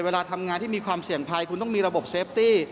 เวลาทำงานที่มีความเสี่ยงภัยคุณต้องมีระบบเซฟตี้